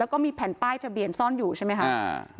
แล้วก็มีแผ่นป้ายทะเบียนซ่อนอยู่ใช่ไหมคะ